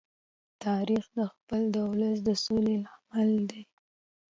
تاریخ د خپل ولس د سولې لامل دی.